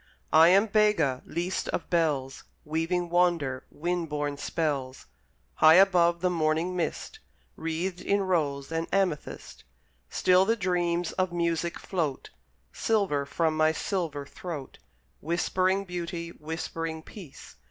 I am Bega, least of bells; Weaving wonder, wind born spells. High above the morning mist, Wreathed in rose and amethyst, Still the dreams of music float Silver from my silver throat, Whispering beauty, whispering peace.